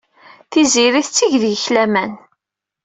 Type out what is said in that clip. Tiziri tetteg deg-k laman.